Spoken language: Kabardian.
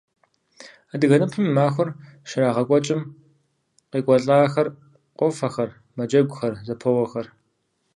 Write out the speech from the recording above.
Адыгэ ныпым и махуэр щрагъэкӏуэкӏым къекӏуэлӏахэр къофэхэр, мэджэгухэр, зэпоуэхэр.